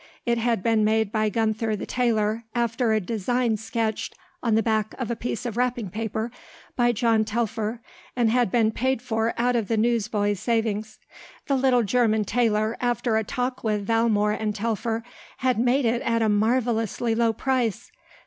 It had been made by Gunther the tailor after a design sketched on the back of a piece of wrapping paper by John Telfer and had been paid for out of the newsboy's savings. The little German tailor, after a talk with Valmore and Telfer, had made it at a marvellously low price.